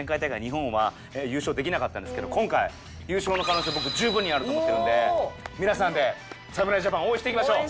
日本は優勝できなかったんですけど今回優勝の可能性僕十分にあると思ってるので皆さんで侍ジャパンを応援していきましょう！